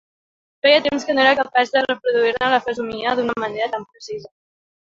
Feia temps que no era capaç de reproduir-ne la fesomia d'una manera tan precisa.